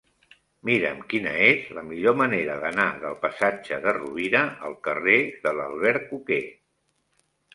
Mira'm quina és la millor manera d'anar del passatge de Rovira al carrer de l'Albercoquer.